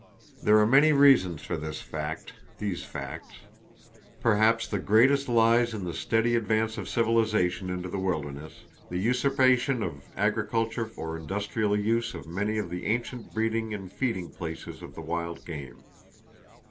There are many reasons for this fact, these facts. Perhaps the greatest lies in the steady advance of civilization into the wilderness, the usurpation for agricultural or industrial use of many of the ancient breeding and feeding places of the wild game.